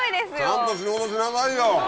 ちゃんと仕事しなさいよ。